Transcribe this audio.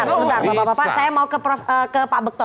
sebentar saya mau ke pak bekto